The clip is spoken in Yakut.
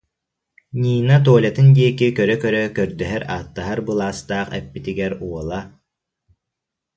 Нина Толятын диэки көрө-көрө көрдөһөр-ааттаһар былаастаах эппитигэр уола: